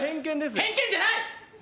偏見じゃない！